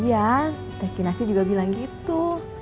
iya teh kinasi juga bilang gitu